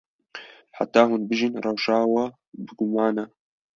Heta hûn bijîn, rewşa we bi guman e.